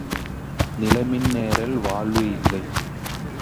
நிலமின்றேல் வாழ்வு இல்லை.